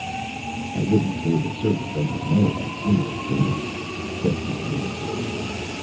"I wouldn't say the Service doesn't know about similar things," said Calhoun slowly.